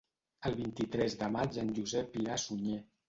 El vint-i-tres de maig en Josep irà a Sunyer.